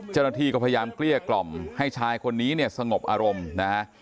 เจ้าหน้าที่ก็พยายามเกลี้ยกล่อมให้ชายคนนี้เนี่ยสงบอารมณ์นะฮะ